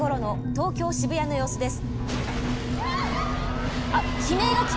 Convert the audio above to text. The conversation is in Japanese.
東京・渋谷の様子です。